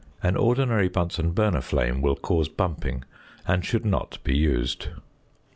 An ordinary Bunsen burner flame will cause bumping, and should not be used.